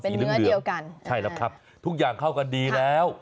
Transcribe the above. เป็นเนื้อเดียวกันใช่แล้วครับทุกอย่างเข้ากันดีแล้ว